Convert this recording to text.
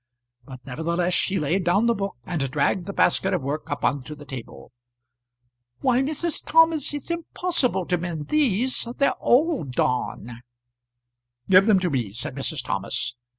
But nevertheless she laid down the book, and dragged the basket of work up on to the table. "Why, Mrs. Thomas, it's impossible to mend these; they're all darn." "Give them to me," said Mrs. Thomas.